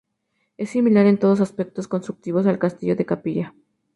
Es similar en todos estos aspectos constructivos al Castillo de Capilla.